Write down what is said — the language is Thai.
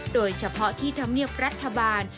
โดยเฉพาะที่ธรรมเนียบรัฐบาล